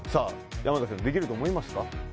山君できると思いますか？